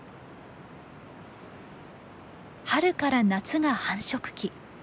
春から夏が繁殖期。